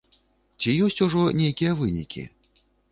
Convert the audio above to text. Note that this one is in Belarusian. Ці ёсць ужо нейкія вынікі?